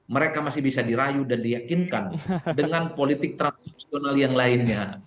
mereka masih bisa dirayu dan diyakinkan dengan politik transaksional yang lainnya